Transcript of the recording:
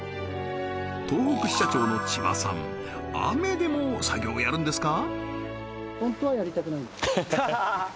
東北支社長の千葉さん雨でも作業やるんですか？